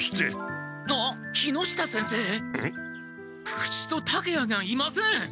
久々知と竹谷がいません！